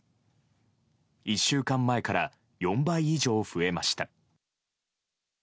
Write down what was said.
１週間前から４倍以上増えました。